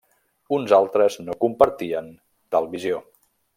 Uns altres no compartien tal visió.